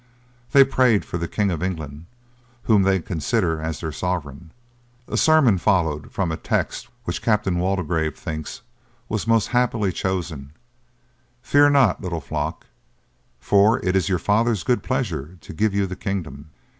They prayed for the King of England, whom they consider as their sovereign. A sermon followed from a text which Captain Waldegrave thinks was most happily chosen: 'Fear not, little flock, for it is your Father's good pleasure to give you the kingdom.'